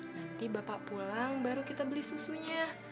nanti bapak pulang baru kita beli susunya